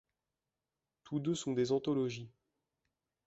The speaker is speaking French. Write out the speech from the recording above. Tous deux sont des anthologies.